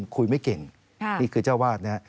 คุยไม่เก่งนี่คือเจ้าวาดนะครับ